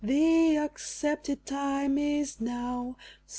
The accepted time is now.